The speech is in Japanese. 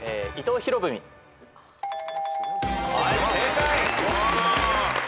はい正解。